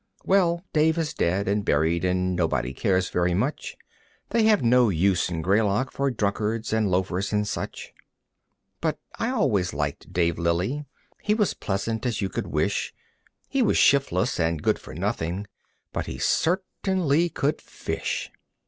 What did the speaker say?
Well, Dave is dead and buried and nobody cares very much; They have no use in Greylock for drunkards and loafers and such. But I always liked Dave Lilly, he was pleasant as you could wish; He was shiftless and good for nothing, but he certainly could fish.